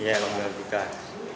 iya membawa berkah